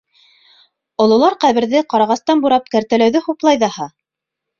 Ололар ҡәберҙе ҡарағастан бурап кәртәләү-ҙе хуплай ҙаһа.